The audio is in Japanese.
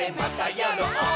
やろう！